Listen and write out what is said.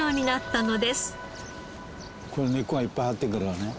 この根っこがいっぱい張ってるからね。